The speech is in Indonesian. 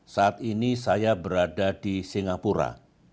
saat ini saya berada di singapura